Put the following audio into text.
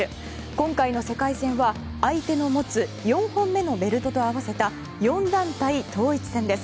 今回の世界戦は相手の持つ４本目のベルトと合わせた４団体統一戦です。